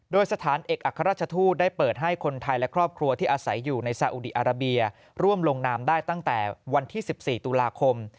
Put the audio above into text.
โดยสถานเอกอัครราชทูตได้เปิดให้คนไทยและครอบครัวที่อาศัยอยู่ในซาอุดีอาราเบียร่วมลงนามได้ตั้งแต่วันที่๑๔ตุลาคม